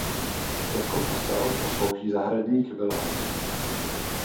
Jako posel poslouží zahradník Wilhelm.